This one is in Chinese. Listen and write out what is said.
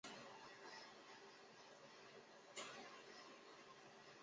每个随机变量被其方差的倒数加权。